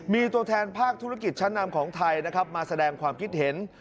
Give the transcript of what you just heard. มีตัวแทนภาคธุรกิจชั้นนำของไทยนะครับมาแสดงความคิดเห็น